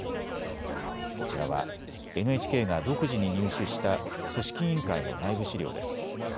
こちらはＮＨＫが独自に入手した組織委員会の内部資料です。